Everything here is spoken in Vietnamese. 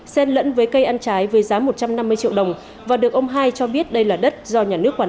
sen lẫn với cây ăn trái với giá một trăm năm mươi triệu đồng và được ông hai cho biết đây là đất do nhà nước quản lý